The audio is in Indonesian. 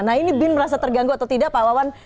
nah ini bin merasa terganggu atau tidak pak wawan